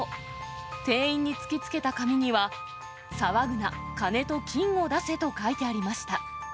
店員に突きつけた紙には、騒ぐな、カネと金を出せと書いてありました。